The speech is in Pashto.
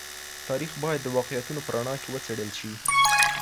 تاریخ باید د واقعیتونو په رڼا کي وڅېړل سي.